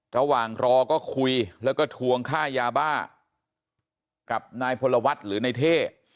ระหว่างรอก็คุยแล้วก็ทวงค่ายาบ้ากับนายพลวัฒน์หรือนายเท่